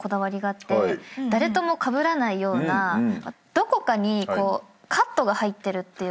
誰ともかぶらないようなどこかにカットが入ってるっていうか。